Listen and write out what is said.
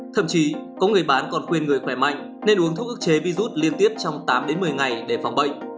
thậm chí có người bán còn khuyên người khỏe mạnh nên uống thuốc ước chế virus liên tiếp trong tám đến một mươi ngày để phòng bệnh